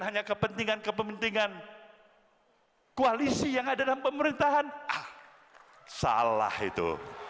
hanya kepentingan kepentingan koalisi yang ada dalam pemerintahan salah itu